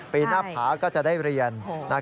ปีหน้าผาก็จะได้เรียน